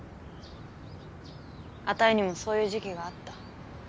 あたいにもそういう時期があった。